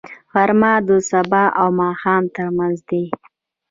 غرمه د سبا او ماښام ترمنځ دی